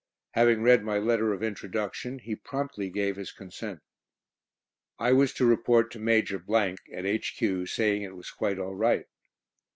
Having read my letter of introduction, he promptly gave his consent. I was to report to Major , at H.Q., saying it was quite all right.